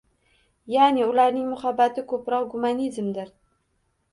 Yaʼni, ularning muhabbati koʻproq gumanizmdir.